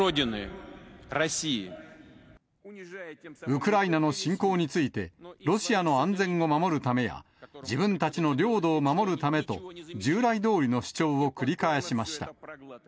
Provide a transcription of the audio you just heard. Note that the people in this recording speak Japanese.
ウクライナの侵攻について、ロシアの安全を守るためや、自分たちの領土を守るためと、従来どおりの主張を繰り返しました。